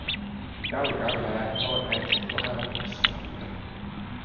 Jalge alla jääb pool meetrit kohevat musta mulda.